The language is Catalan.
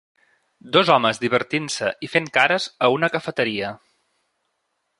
Dos homes divertint-se i fent cares a una cafeteria.